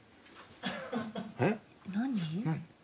えっ？何？